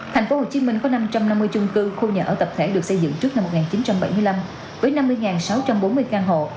thành phố hồ chí minh có năm trăm năm mươi trung cư khu nhà ở tập thể được xây dựng trước năm một nghìn chín trăm bảy mươi năm với năm mươi sáu trăm bốn mươi căn hộ